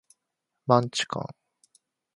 マンチカン